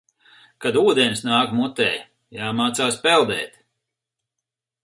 Kad ūdens nāk mutē, jāmācās peldēt.